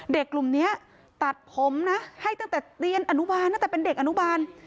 กลุ่มนี้ตัดผมนะให้ตั้งแต่เรียนอนุบาลตั้งแต่เป็นเด็กอนุบาล